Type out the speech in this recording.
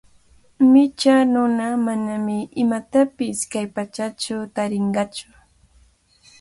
Micha nuna manami imatapish kay patsachaw tarinqatsu.